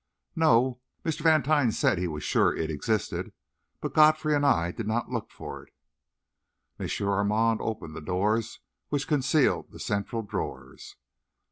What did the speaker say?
"No. Mr. Vantine said he was sure it existed; but Godfrey and I did not look for it." M. Armand opened the doors which concealed the central drawers.